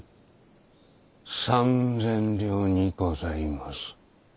３千両にございます。